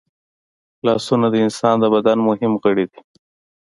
لاسونه د انسان د بدن مهم غړي دي